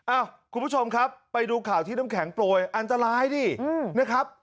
คุณผู้ชมครับไปดูข่าวที่น้ำแข็งโปรยอันตรายดินะครับ